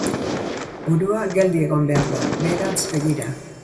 Burua geldi egon behar da, beherantz begira.